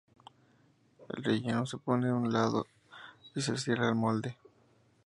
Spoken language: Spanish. El relleno se pone en un lado y se cierra el molde.